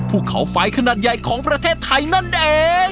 ภูเขาไฟขนาดใหญ่ของประเทศไทยนั่นเอง